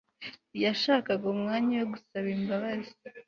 yashaka umwanya wo gusaba imbabazi